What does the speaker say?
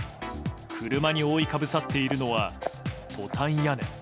車に覆いかぶさっているのはトタン屋根。